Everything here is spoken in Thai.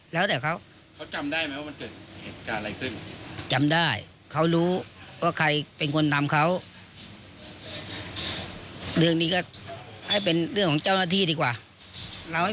แล้วเค้าได้บอกไหมว่าทำไมเค้าถึงถูกไป